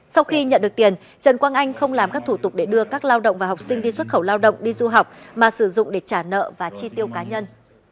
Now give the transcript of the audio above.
sau khi nhận được tiền trần quang anh không làm các thủ tục để đưa các lao động và học sinh đi xuất khẩu lao động đi du học mà sử dụng để trả nợ và chi tiêu cá nhân